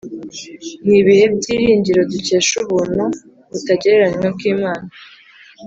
Ni ibihe byiringiro dukesha ubuntu butagereranywa bw’Imana